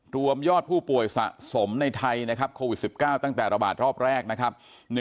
รวมยอดผู้ป่วยสะสมในไทยนะครับโควิด๑๙ตั้งแต่ระบาดรอบแรกนะครับ